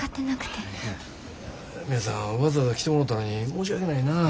皆さんわざわざ来てもろたのに申し訳ないなぁ。